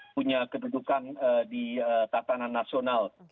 punya kedudukan di tatanan nasional